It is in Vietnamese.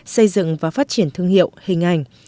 xây dựng và phát triển thương hiệu hình ảnh